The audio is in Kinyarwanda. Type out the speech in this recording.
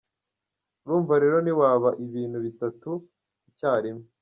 Urumva rero ntiwaba ibintu bitatu icyarimwe.